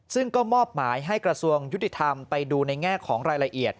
ซึ่งก็มอบหมายให้กระทรวงยุติธรรมไปดูในแง่ของรายละเอียด